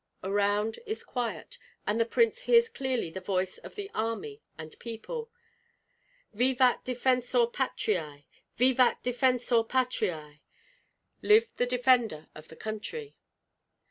Around is quiet, and the prince hears clearly the voice of the army and people, "Vivat defensor patriae! vivat defensor patriae! (Live the defender of the country!)"